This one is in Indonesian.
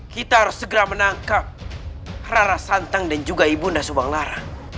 kita harus segera menangkap rara santang dan juga ibunda subang lara